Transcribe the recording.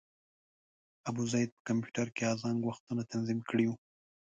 ابوزید په کمپیوټر کې اذان وختونه تنظیم کړي وو.